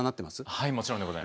はいもちろんでございます。